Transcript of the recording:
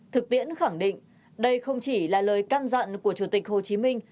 thực tiễn khẳng định đây không chỉ là lời can dặn của chủ tịch hồ chí minh